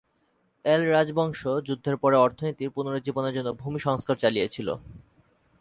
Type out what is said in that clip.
এল-রাজবংশ যুদ্ধের পরে অর্থনীতির পুনরুজ্জীবনের জন্য ভূমি সংস্কার চালিয়েছিল।